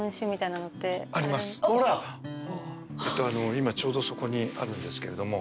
今ちょうどそこにあるんですけれども。